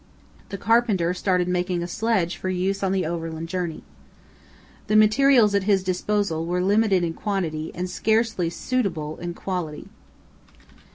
The carpenter started making a sledge for use on the overland journey. The materials at his disposal were limited in quantity and scarcely suitable in quality.